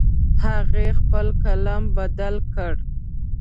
هغې خپل قلم بدل کړ